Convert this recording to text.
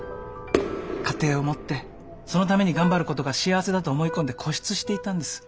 家庭を持ってそのために頑張ることが幸せだと思い込んで固執していたんです。